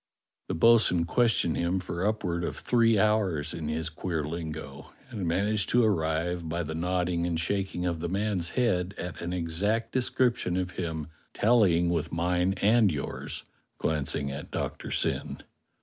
The bo'sun questioned him for upward of three hours in his queer lingo, and managed to arrive, by the nodding and shaking of the man's head, at an exact description of him tallying with mine and yours" (glancing at Doctor Syn).